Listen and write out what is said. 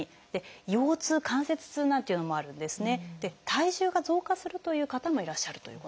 体重が増加するという方もいらっしゃるということ。